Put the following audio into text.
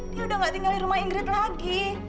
dia udah gak tinggalin rumah ingrid lagi